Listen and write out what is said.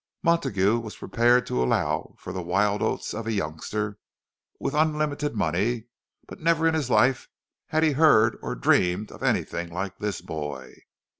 Montague was prepared to allow for the "wild oats" of a youngster with unlimited money, but never in his life had he heard or dreamed of anything like this boy.